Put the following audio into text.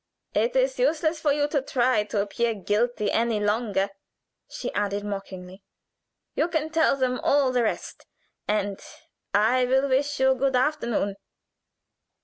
It is useless for you to try to appear guilty any longer," she added, mockingly. "You can tell them all the rest, and I will wish you good afternoon."